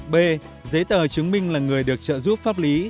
b giấy tờ chứng minh là người được trợ giúp pháp lý